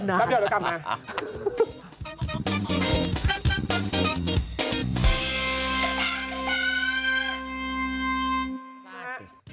ข่าวเตรียมใบโทรศิษย์ใจตัวค่ะ